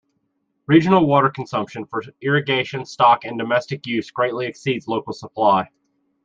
Regional water consumption for irrigation, stock and domestic use greatly exceeds local supply.